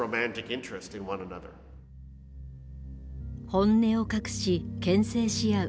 本音を隠しけん制し合う。